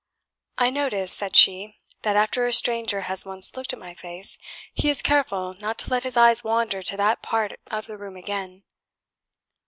"I notice," said she, "that after a stranger has once looked at my face, he is careful not to let his eyes wander to that part of the room again!"